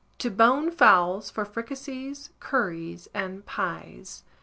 TO BONE FOWLS FOR FRICASSEES, CURRIES, & PIES.